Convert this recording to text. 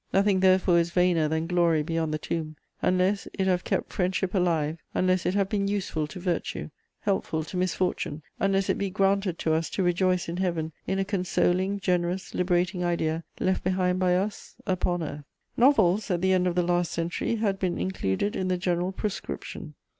Nothing therefore is vainer than glory beyond the tomb, unless it have kept friendship alive, unless it have been useful to virtue, helpful to misfortune, unless it be granted to us to rejoice in Heaven in a consoling, generous, liberating idea left behind by us upon earth. * [Sidenote: Samuel Richardson.] Novels, at the end of the last century, had been included in the general proscription.